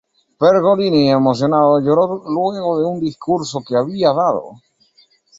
Pergolini, emocionado, lloró luego de un discurso que había dado.